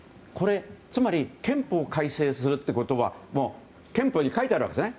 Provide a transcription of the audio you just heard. つまり、憲法改正するってことは憲法に書いてあるわけですね。